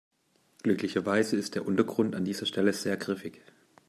Glücklicherweise ist der Untergrund an dieser Stelle sehr griffig.